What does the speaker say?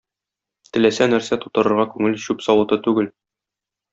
Теләсә нәрсә тутырырга күңел чүп савыты түгел.